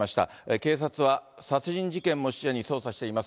警察は殺人事件も視野に捜査しています。